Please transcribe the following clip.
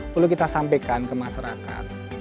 perlu kita sampaikan ke masyarakat